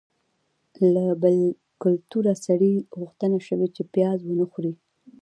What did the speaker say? له باکلتوره سړي غوښتنه شوې چې پیاز ونه خوري.